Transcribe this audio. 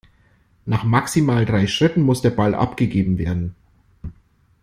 Nach maximal drei Schritten muss der Ball abgegeben werden.